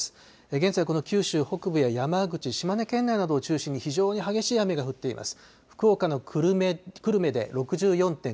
現在この九州北部や山口、島根県内などを中心に非常に激しい雨が降っています。